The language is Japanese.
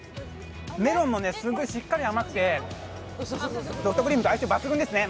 メロンもしっかり甘くてソフトクリームと相性抜群ですね。